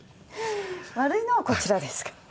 「悪いのはこちらですから。